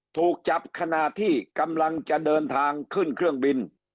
ถูกจับขณะที่กำลังจะเดินทางขึ้นเครื่องบิน